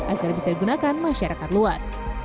agar bisa digunakan masyarakat luas